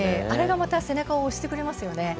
あれがまた背中を押してくれますよね